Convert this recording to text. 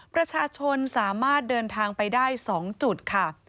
ประชาชนสามารถเดินทางไปได้๒จุดค่ะ